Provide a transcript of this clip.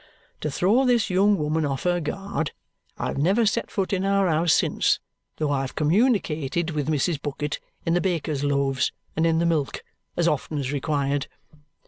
To throw this young woman off her guard, I have never set foot in our house since, though I've communicated with Mrs. Bucket in the baker's loaves and in the milk as often as required.